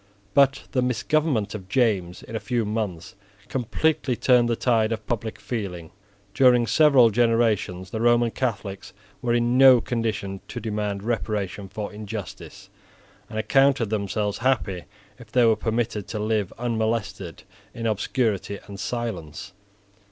But the misgovernment of James in a few months completely turned the tide of public feeling. During several generations the Roman Catholics were in no condition to demand reparation for injustice, and accounted themselves happy if they were permitted to live unmolested in obscurity and silence.